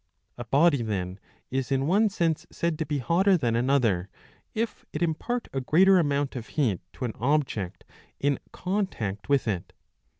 A body then is in one sense said to be hotter than another, if it impart a greater amount of heat to an object in contact with it.